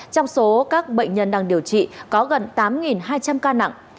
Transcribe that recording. trong số các bệnh nhân đang điều trị có gần tám hai trăm linh ca nặng